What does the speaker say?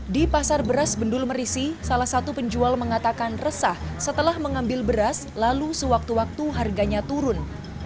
di pasar beras bendul merisi salah satu penjual mengatakan resah setelah mengambil beras lalu sewaktu waktu harganya turun